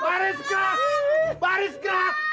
baris ke baris ke